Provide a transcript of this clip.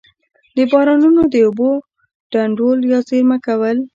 د بارانونو د اوبو ډنډول یا زیرمه کول.